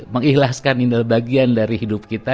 mengikhlaskan bagian dari hidup kita